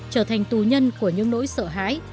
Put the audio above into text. trở thành tù nhân của những nỗi sợ hãi